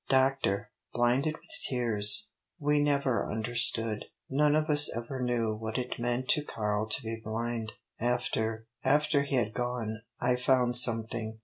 "Doctor," blinded with tears "we never understood. None of us ever knew what it meant to Karl to be blind. After after he had gone I found something.